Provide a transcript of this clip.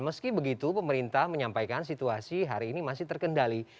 meski begitu pemerintah menyampaikan situasi hari ini masih terkendali